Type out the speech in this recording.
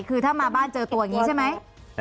คือถ้ามาบ้านเจอตัวอย่างนี้ใช่ไหม